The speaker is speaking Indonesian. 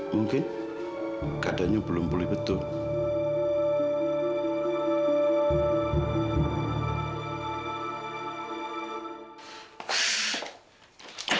mungkin keadaannya belum pulih betul